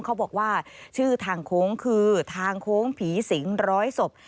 เขาบอกว่าชื่อทางโค้งคือทางโค้งผีสิงร้อยศพ